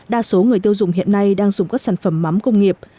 đa số người tiêu dùng hiện nay đang dùng các sản phẩm mắm công nghiệp